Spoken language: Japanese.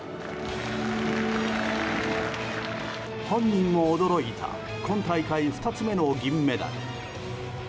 本人も驚いた今大会２つ目の銀メダル。